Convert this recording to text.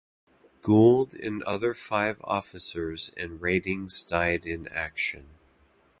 Gould and other five officers and ratings died in action.